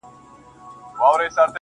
o ه یاره ولي چوپ یې مخکي داسي نه وې.